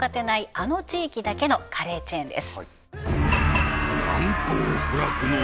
あの地域だけのカレーチェーンです